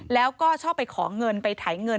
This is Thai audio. แล้วก็ชอบไปขอเงินไปถ่ายเงิน